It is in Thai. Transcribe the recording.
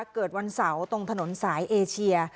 เกิดวันเสาร์ตรงถนนสายเอเชีย